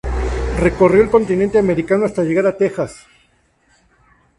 Recorrió el continente americano hasta llegar a Texas.